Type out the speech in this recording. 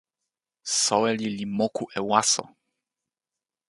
soweli li moku e waso.